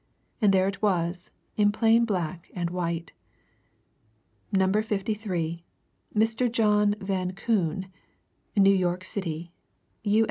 And there it was in plain black and white NUMBER 53. MR. JOHN VAN KOON. NEW YORK CITY, U.